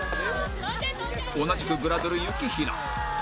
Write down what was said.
同じくグラドル雪平